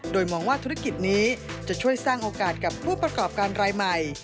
โดยมองว่าธุรกิจนี้จะช่วยสร้างโอกาสกับผู้ประกอบการรายใหม่